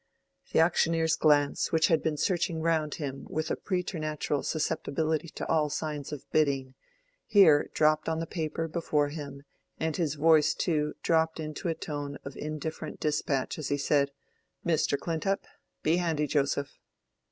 The auctioneer's glance, which had been searching round him with a preternatural susceptibility to all signs of bidding, here dropped on the paper before him, and his voice too dropped into a tone of indifferent despatch as he said, "Mr. Clintup. Be handy, Joseph."